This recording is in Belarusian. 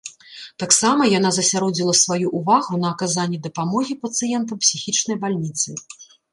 Таксама яна засяродзіла сваю ўвагу на аказанні дапамогі пацыентам псіхічнай бальніцы.